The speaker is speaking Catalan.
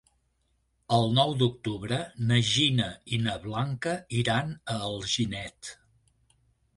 El nou d'octubre na Gina i na Blanca iran a Alginet.